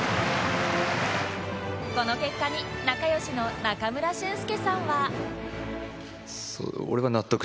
この結果に仲良しの中村俊輔さんは